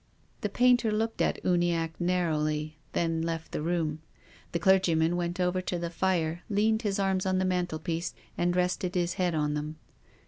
The painter looked at Uniacke narrowly, then left the room. The clergyman went over to the fire, leaned his arms on the mantelpiece, and rested his head on them.